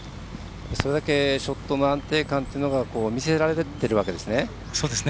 それだけショットの安定感というのが見せられているわけですね。